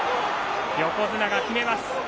横綱が決めます。